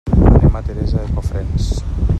Anem a Teresa de Cofrents.